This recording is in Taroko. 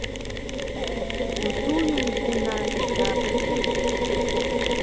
ttuyun ku na ka bubu mu